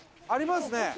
ありますね。